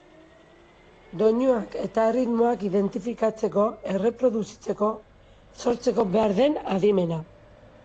Doinuak eta erritmoak identifikatzeko, erreproduzitzeko, sortzeko behar den adimena.